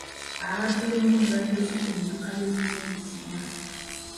Ababbi b'emmundu babbye ssente mu dduuka ly'ebizimbisibwa.